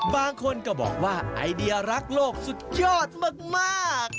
บางคนก็บอกว่าไอเดียรักโลกสุดยอดมาก